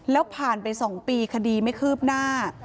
แล้วผ่านไป๒ปีคดีไม่คืบหน้า